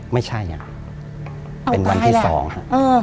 ไม่ใช่เป็นวันที่๒ฮะ